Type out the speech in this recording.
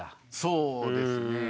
そうですね。